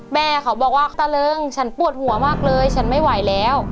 แม่เขาบอกว่าตะเริงฉันปวดหัวมากเลยฉันไม่ไหวแล้ว